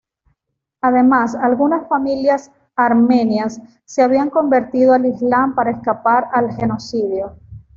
Además, algunas familias armenias se habían convertido al Islam para escapar al genocidio.